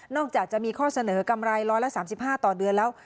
นอกจากจะมีข้อเสนอกำไรร้อยละ๓๕ต่อเดือนแล้ว